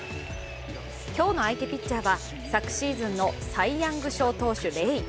今日の相手ピッチャーは昨シーズンのサイ・ヤング賞投手、レイ。